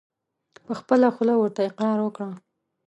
په خپله خوله ورته اقرار وکړه !